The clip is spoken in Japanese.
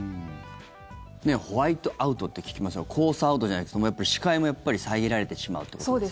ホワイトアウトって聞きますが、黄砂アウトという視界もやっぱり遮られてしまうということですか。